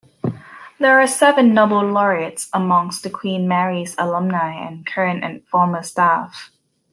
There are seven Nobel Laureates amongst Queen Mary's alumni and current and former staff.